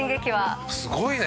すごいね。